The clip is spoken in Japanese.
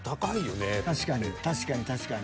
確かに確かに確かに。